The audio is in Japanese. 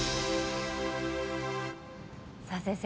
さあ先生